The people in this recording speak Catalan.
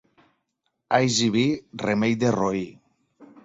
Alls i vi, remei de roí.